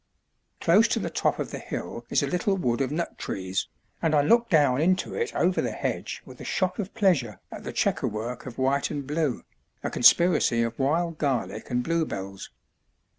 Close to the top of the hill is a little wood of nut trees, and I looked down into it over the hedge with a shock of pleasure at the chequer work of white and blue, a conspiracy of wild garlick and blue bells.